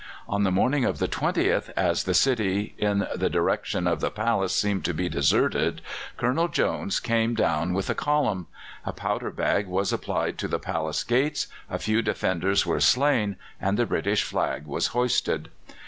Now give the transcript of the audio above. On the morning of the 20th, as the city in the direction of the palace seemed to be deserted, Colonel Jones came down with a column; a powder bag was applied to the palace gates, a few defenders were slain, and the British flag was hoisted.